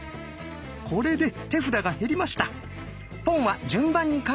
これで手札が減りました。